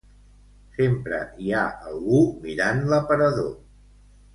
Sempre hi ha algú mirant l'aparador